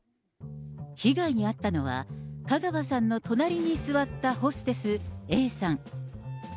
被害に遭ったのは、香川さんの隣に座ったホステス、Ａさん。